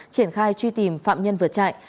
triển khai truy tìm phạm nhân vượt chạy